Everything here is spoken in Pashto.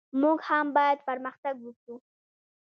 موږ هم باید پرمختګ وکړو.